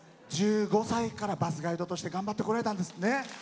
１５歳からバスガイドとして頑張ってこられたんですね。